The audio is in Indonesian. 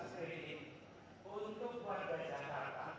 kalau ini masakan silakan mereka menemukan